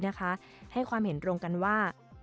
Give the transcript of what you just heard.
และการบริการผู้โดยสาร๑๒๗๕ราย